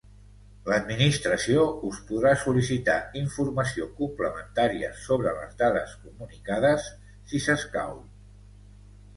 L'administració us podrà sol·licitar informació complementària sobre les dades comunicades, si s'escau.